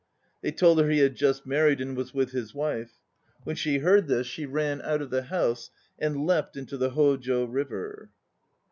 They told her he had just married and was with his wife. When she heard this she ran out of the house and leapt into the Ho jo River.